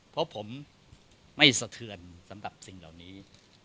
เพราะผมไม่สะเทือนสำหรับสิ่งเหล่านี้